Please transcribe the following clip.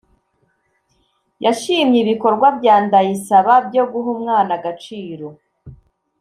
yashimye ibikorwa bya Ndayisaba byo guha umwana agaciro